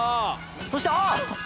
そしてあ！